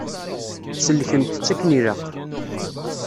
Sellkent-tt akken ilaq.